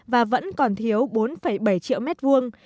và vẫn còn thiếu bốn bảy triệu mét vuông